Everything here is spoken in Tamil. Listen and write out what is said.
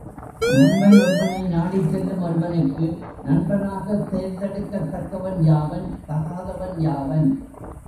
நண்பன் ஒருவனை நாடிச் செல்லும் ஒருவனுக்கு, நண்பனாகத் தேர்ந்தெடுக்கத் தக்கவன் யாவன் தகாதவன் யாவன்?